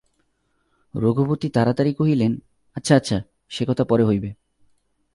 রঘুপতি তাড়াতাড়ি কহিলেন –আচ্ছা, আচ্ছা, সেকথা পরে হইবে।